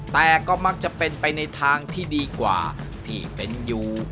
แต่ก็มักจะเป็นไปในทางที่ดีกว่าที่เป็นอยู่